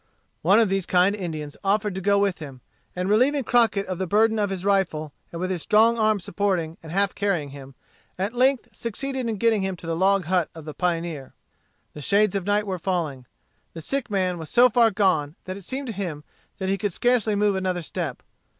One of these kind Indians offered to go with him; and relieving Crockett of the burden of his rifle, and with his strong arm supporting and half carrying him, at length succeeded in getting him to the log hut of the pioneer. The shades of night were falling. The sick man was so far gone that it seemed to him that he could scarcely move another step.